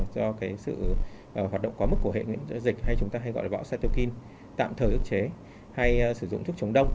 do cái sự hoạt động có mức của hệ miễn dịch hay chúng ta hay gọi là bão cytokine tạm thời ức chế hay sử dụng thuốc chống đông